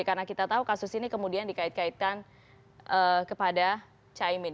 karena kita tahu kasus ini kemudian dikait kaitkan kepada chaimin